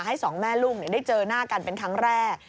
สองแม่ลูกได้เจอหน้ากันเป็นครั้งแรก